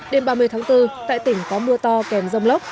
đêm ba mươi tháng bốn tại tỉnh có mưa to kèm rông lốc